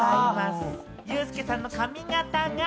ユースケさんの髪形が？